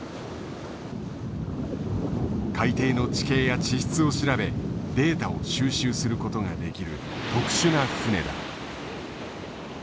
海底の地形や地質を調べデータを収集することができる特殊な船だ。